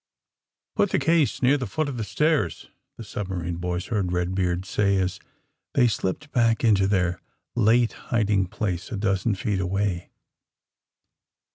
'^Put the case near the foot of the stairs,'^ the submarine boys heard Eedbeard say as they slipped back into their late hiding place a dozen feet away.